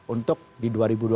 untuk di dua ribu dua puluh